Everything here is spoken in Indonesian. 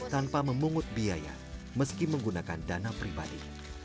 tanpa memungut biaya meski menggunakan dana pribadi